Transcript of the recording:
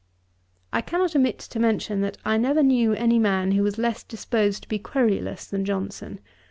I cannot omit to mention, that I never knew any man who was less disposed to be querulous than Johnson.